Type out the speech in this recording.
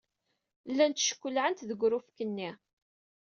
Llant ckellɛent deg urufk-nni.